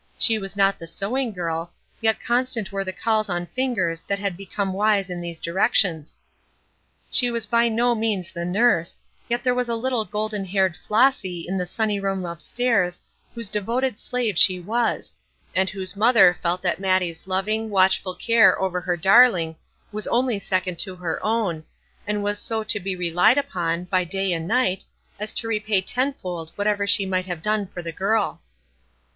She was not the sewing girl, yet constant were the calls on fingers that had become wise in these directions. She was by no means the nurse, yet there was a little golden haired "Flossy" in the sunny room upstairs whose devoted slave she was, and whose mother felt that Mattie's loving, watchful care over her darling was only second to her own, and was so to be relied upon, by day and night, as to repay tenfold whatever she might have done for the girl.